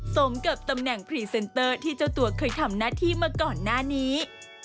กับตำแหน่งพรีเซนเตอร์ที่เจ้าตัวเคยทำหน้าที่มาก่อนหน้านี้